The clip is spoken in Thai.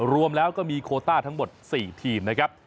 รวมแล้วก็มีโคต้าทั้งหมด๔ทีมนะครับ